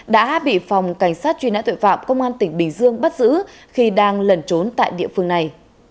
đã bị phòng cảnh sát truy nã tội phạm công an tỉnh bình dương bắt giữ khi đang lẩn trốn tại địa phương này